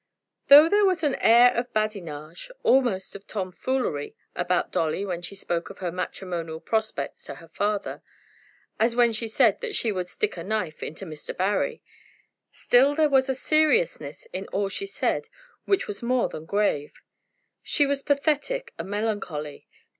Though there was an air of badinage, almost of tomfoolery, about Dolly when she spoke of her matrimonial prospects to her father, as when she said that she would "stick a knife" into Mr. Barry, still there was a seriousness in all she said which was more than grave. She was pathetic and melancholy.